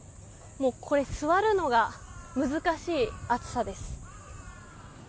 これ、座るのが難しい熱さです。